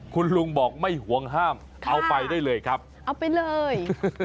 คุณลุงบอกไม่ห่วงห้ามเอาไปได้เลยครับเอาไปเลย